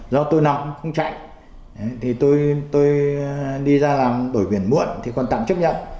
do tôi nào cũng không chạy thì tôi đi ra làm đổi biển muộn thì còn tặng chấp nhận